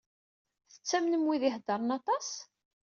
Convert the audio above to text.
Tettamnem wid i iheddṛen aṭas?